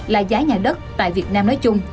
là giá nhà đất tại việt nam nói chung